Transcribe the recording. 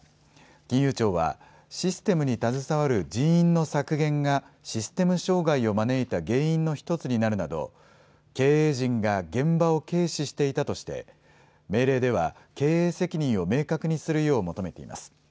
金融庁は、システムに携わる人員の削減が、システム障害を招いた原因の一つになるなど、経営陣が現場を軽視していたとして、命令では、経営責任を明確にするよう求めています。